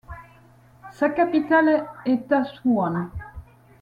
Sa capitale est Assouan.